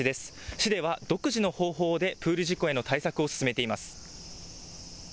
市では独自の方法でプール事故への対策を進めています。